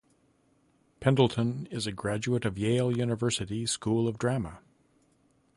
Pendleton is a graduate of Yale University, School of Drama.